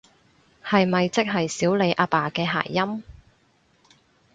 係咪即係少理阿爸嘅諧音？